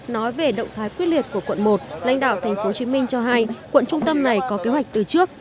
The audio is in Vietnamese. nói về động thái quyết liệt của quận một lãnh đạo tp hồ chí minh cho hay quận trung tâm này có kế hoạch từ trước